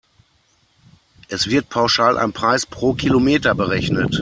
Es wird pauschal ein Preis pro Kilometer berechnet.